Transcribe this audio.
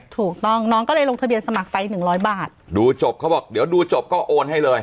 ถูกต้องน้องก็เลยลงทะเบียนสมัครไปหนึ่งร้อยบาทดูจบเขาบอกเดี๋ยวดูจบก็โอนให้เลย